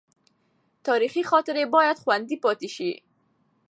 تاریخي خاطرې باید خوندي پاتې شي.